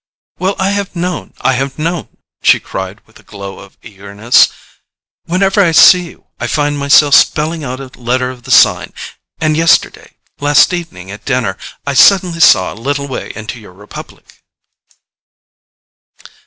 "Well, I have known, I have known!" she cried with a glow of eagerness. "Whenever I see you, I find myself spelling out a letter of the sign—and yesterday—last evening at dinner—I suddenly saw a little way into your republic."